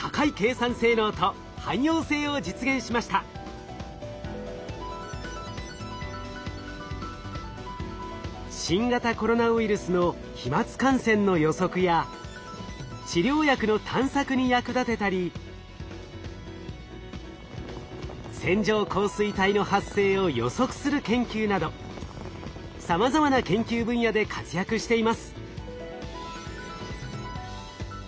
かつてない新型コロナウイルスの飛沫感染の予測や治療薬の探索に役立てたり線状降水帯の発生を予測する研究などさまざまな研究分野で活躍しています。